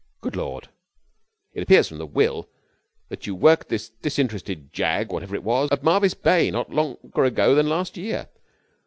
'Good Lord!' 'It appears from the will that you worked this disinterested gag, whatever it was, at Marvis Bay no longer ago than last year.